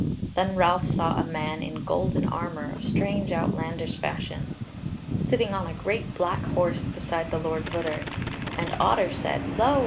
Then Ralph saw a man in golden armour of strange, outlandish fashion, sitting on a great black horse beside the Lord's litter; and Otter said: "Lo!